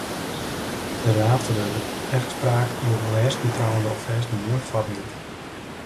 De Raad voor de Rechtspraak joech lêsten trouwens alfêst in moai foarbyld.